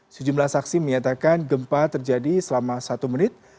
sejumlah saksi menyatakan gempa terjadi selama satu menit